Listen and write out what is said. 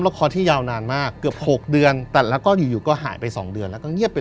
ละครที่ยาวนานมากเกือบ๖เดือนแต่แล้วก็อยู่ก็หายไป๒เดือนแล้วก็เงียบไป